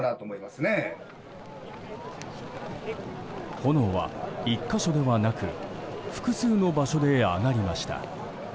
炎は１か所ではなく複数の場所で上がりました。